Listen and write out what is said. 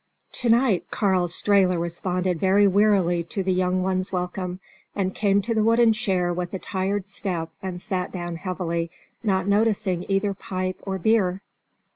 To night Karl Strehla responded very wearily to the young ones' welcome, and came to the wooden chair with a tired step and sat down heavily, not noticing either pipe or beer.